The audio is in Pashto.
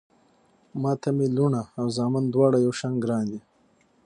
ما ته مې لوڼه او زامن دواړه يو شان ګران دي